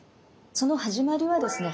その始まりはですね